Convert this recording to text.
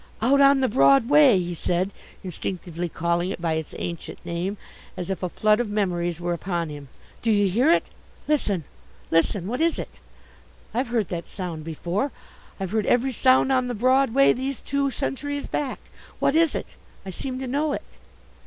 "Out on the Broad Way," he said, instinctively calling it by its ancient name as if a flood of memories were upon him. "Do you hear it? Listen listen what is it? I've heard that sound before I've heard every sound on the Broad Way these two centuries back what is it? I seem to know it!"